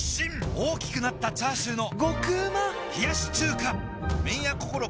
大きくなったチャーシューの麺屋こころ